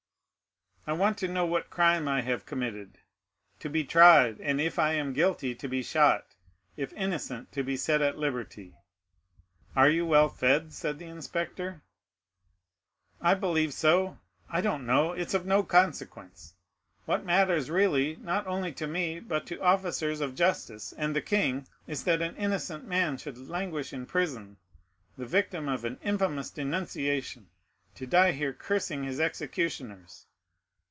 "I want to know what crime I have committed—to be tried; and if I am guilty, to be shot; if innocent, to be set at liberty." "Are you well fed?" said the inspector. "I believe so; I don't know; it's of no consequence. What matters really, not only to me, but to officers of justice and the king, is that an innocent man should languish in prison, the victim of an infamous denunciation, to die here cursing his executioners."